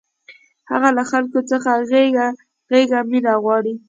هغه له خلکو څخه غېږه غېږه مینه غواړي